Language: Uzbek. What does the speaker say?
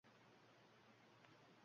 Devorga bosh urdi tun vahmi.